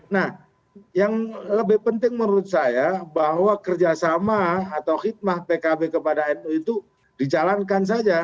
nah yang lebih penting menurut saya bahwa kerjasama atau hikmah pkb kepada nu itu dijalankan saja